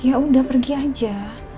ya udah pergi aja